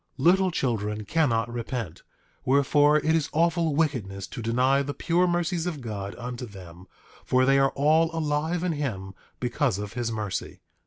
8:19 Little children cannot repent; wherefore, it is awful wickedness to deny the pure mercies of God unto them, for they are all alive in him because of his mercy.